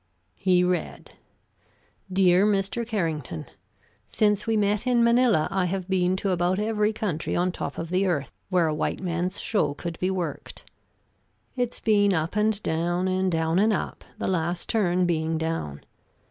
He read: "Dear Mr. Carrington: Since we met in Manila I have been to about every country on top of the earth where a white man's show could be worked. It's been up and down, and down and up, the last turn being down.